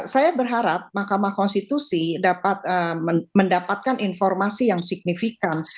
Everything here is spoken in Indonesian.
saya berharap mahkamah konstitusi dapat mendapatkan informasi yang signifikan